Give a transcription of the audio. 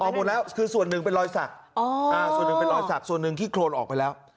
ออกหมดแล้วคือส่วนหนึ่งเป็นรอยสักส่วนหนึ่งที่โครนออกไปแล้ว